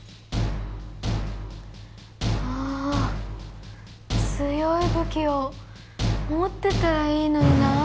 ああ強いぶきをもってたらいいのになあ。